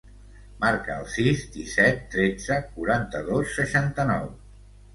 Marca el sis, disset, tretze, quaranta-dos, seixanta-nou.